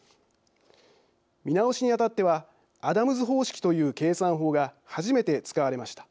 見直しにあたってはアダムズ方式という計算法が初めて使われました。